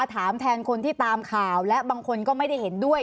ถามแทนคนที่ตามข่าวและบางคนก็ไม่ได้เห็นด้วย